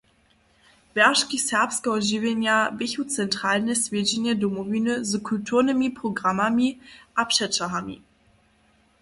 Wjerški serbskeho žiwjenja běchu centralne swjedźenje Domowiny z kulturnymi programami a přećahami.